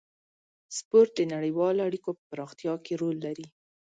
سپورت د نړیوالو اړیکو په پراختیا کې رول لري.